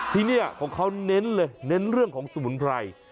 ที่นี่ของเขาเน้นเลยเน้นเรื่องของสมุนไพร